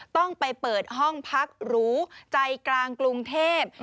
ต้องไปเปิดห้องพักหรูใจกลางกรุงเทพ